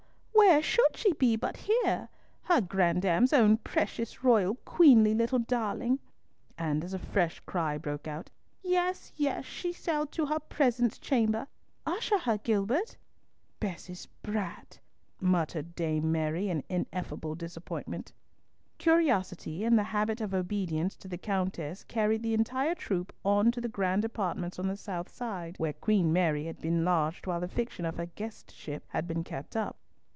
Where should she be but here? Her grandame's own precious, royal, queenly little darling!" and as a fresh cry broke out, "Yes, yes; she shall to her presence chamber. Usher her, Gilbert." "Bess's brat!" muttered Dame Mary, in ineffable disappointment. Curiosity and the habit of obedience to the Countess carried the entire troop on to the grand apartments on the south side, where Queen Mary had been lodged while the fiction of her guestship had been kept up.